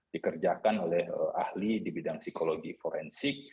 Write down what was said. dikerjakan oleh ahli di bidang psikologi forensik